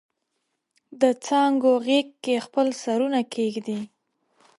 دڅانګو غیږ کې خپل سرونه کښیږدي